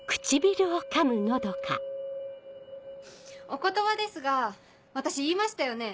お言葉ですが私言いましたよね。